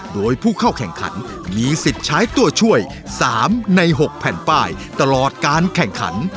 โดยผู้เข้าแข่งขันมีสิทธิ์ใช้ตัวช่วย๓ใน๖แผ่นป้ายตลอดการแข่งขัน